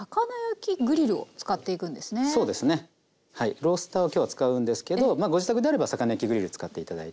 ロースターを今日は使うんですけどまあご自宅であれば魚焼きグリル使って頂いて。